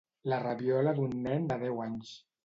La rabiola d'un nen de deu anys.